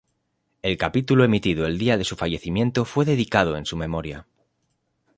El capítulo emitido el día de su fallecimiento fue dedicado en su memoria.